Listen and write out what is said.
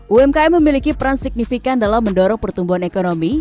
umkm memiliki peran signifikan dalam mendorong pertumbuhan ekonomi